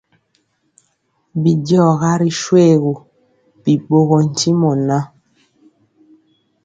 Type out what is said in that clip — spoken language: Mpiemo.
Bidiɔga ri shoégu, bi ɓorɔɔ ntimɔ ŋan.